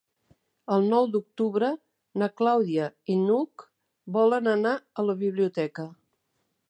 El nou d'octubre na Clàudia i n'Hug volen anar a la biblioteca.